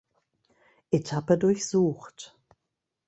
Etappe durchsucht.